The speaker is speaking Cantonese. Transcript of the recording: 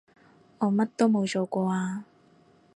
我乜都冇做過啊